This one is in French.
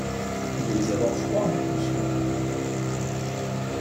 Vous devez avoir froid, monsieur?